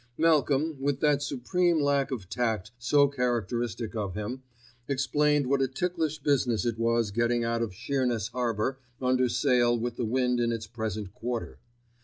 Malcolm, with that supreme lack of tact so characteristic of him, explained what a ticklish business it was getting out of Sheerness Harbour under sail with the wind in its present quarter.